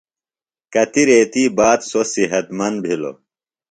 کتیۡ ریتی باد سوۡ صحت مند بِھلوۡ۔